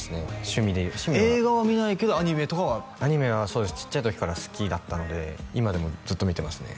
趣味で映画は見ないけどアニメとかはアニメはそうですちっちゃい時から好きだったので今でもずっと見てますね